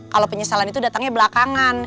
kalau penyesalan itu datangnya belakangan